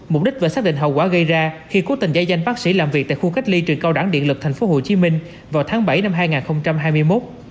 mục đích và xác định hậu quả gây ra khi cố tình giai danh bác sĩ làm việc tại khu cách ly truyền cao đẳng điện lực thành phố hồ chí minh vào tháng bảy năm hai nghìn hai mươi một